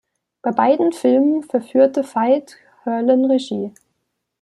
Bei beiden Filmen führte Veit Harlan Regie.